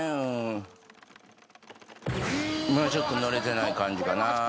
まだちょっと乗れてない感じかな。